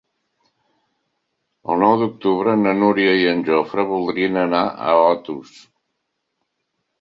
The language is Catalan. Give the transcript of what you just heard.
El nou d'octubre na Núria i en Jofre voldrien anar a Otos.